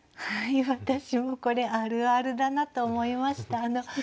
はい私もこれあるあるだなと思いました。